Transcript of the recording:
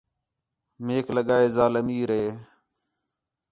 میک لڳا ہے ذال امیر ہِے